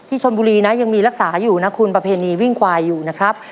ชนบุรีนะยังมีรักษาอยู่นะคุณประเพณีวิ่งควายอยู่นะครับ